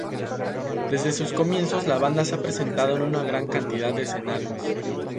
Desde sus comienzos la banda se ha presentado en una gran cantidad de escenarios.